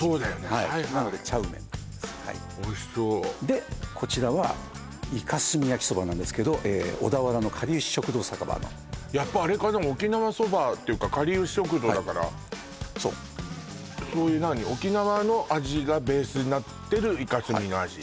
はいはいなのでチャウメンでこちらはイカ墨焼きそばなんですけど小田原のかりゆし食堂酒場のやっぱあれかな沖縄そばっていうかかりゆし食堂だからそう沖縄の味がベースになってるイカ墨の味？